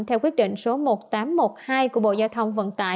theo quyết định số một nghìn tám trăm một mươi hai của bộ giao thông